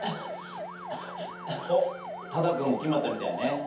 おっ多田くんも決まったみたいやね。